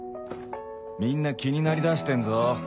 みんな気になりだしてんぞ